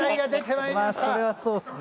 まあそれはそうっすね。